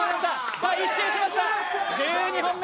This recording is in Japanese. さあ、一周しました、１２本目。